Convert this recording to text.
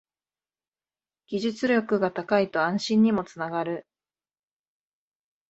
技術力が高いと安心にもつながる